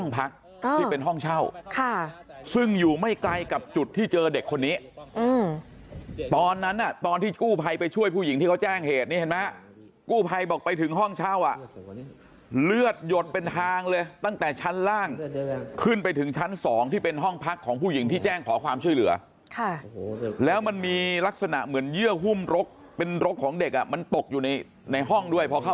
พักที่เป็นห้องเช่าซึ่งอยู่ไม่ไกลกับจุดที่เจอเด็กคนนี้ตอนนั้นตอนที่กู้ภัยไปช่วยผู้หญิงที่เขาแจ้งเหตุนี่เห็นไหมกู้ภัยบอกไปถึงห้องเช่าอ่ะเลือดหยดเป็นทางเลยตั้งแต่ชั้นล่างขึ้นไปถึงชั้น๒ที่เป็นห้องพักของผู้หญิงที่แจ้งขอความช่วยเหลือค่ะแล้วมันมีลักษณะเหมือนเยื่อหุ้มรกเป็นรกของเด็กอ่ะมันตกอยู่ในห้องด้วยพอเข้า